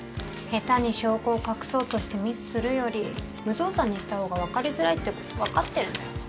下手に証拠を隠そうとしてミスするより無造作にした方が分かりづらいってこと分かってるのよ。